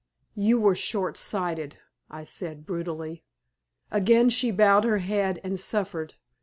"You were short sighted," I said, brutally. Again she bowed her head and suffered.